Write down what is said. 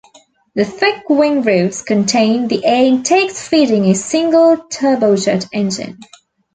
The thick wing roots contained the air intakes feeding a single turbojet engine.